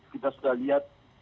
kita sudah lihat